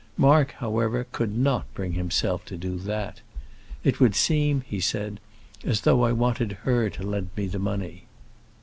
Mark, however, could not bring himself to do that. "It would seem," he said, "as though I wanted her to lend me the money."